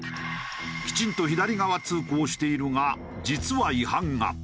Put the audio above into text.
きちんと左側通行しているが実は違反が。